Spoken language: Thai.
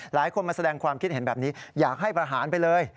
หลายคนมาแสดงความคิดเห็นแบบนี้อยากให้ประหารไปเลย